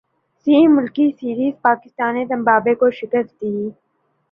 سہ ملکی سیریزپاکستان نے زمبابوے کو شکست دیدی